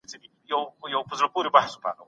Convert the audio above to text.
حق هم د پوښاک لري